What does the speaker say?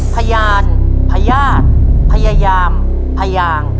พยานพญาติพยายามพยาง